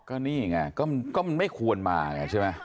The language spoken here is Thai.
ก็นี่ไงก็มันไม่ควรมาไงใช่ไหม